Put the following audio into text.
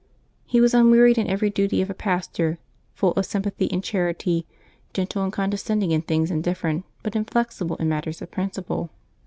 He was unwearied in every duty of a pastor, full of sym pathy and charity, gentle and condescending in things in different, but inflexible in matters of principle.